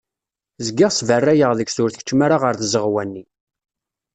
Zgiɣ sberrayeɣ deg-s ur tkeččem ara ɣer tzeɣwa-nni.